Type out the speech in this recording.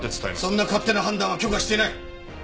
そんな勝手な判断は許可していない！